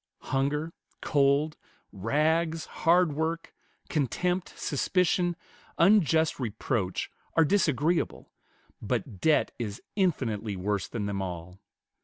Hunger, cold, rags, hard work, contempt, suspicion, unjust reproach, are disagreeable, but debt is infinitely worse than them all.